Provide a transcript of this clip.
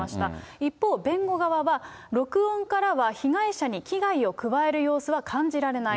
一方、弁護側は、録音からは被害者に危害を加える様子は感じられない。